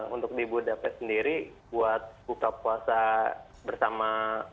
untuk di budapest sendiri buat buka puasa bersama